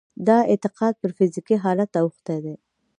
دا اعتقاد پر فزيکي حالت اوښتی دی.